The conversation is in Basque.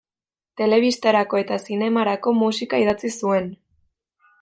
Telebistarako eta zinemarako musika idatzi zuen.